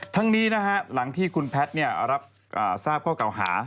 ทั้งนี้นะฮะหลังที่คุณแพทย์รับทราบข้อเก่าหา